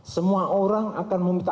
semua orang akan meminta